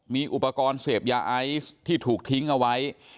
มีอุปกรณ์เสพยาไอซ์ที่ถูกทิ้งเอาไว้